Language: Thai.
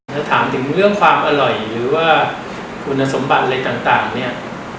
ถ้าถามถึงเรื่องความอร่อยหรือว่าคุณสมบัติอะไรต่างเนี่ย